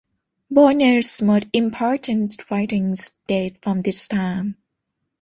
Bonner's most important writings date from this time.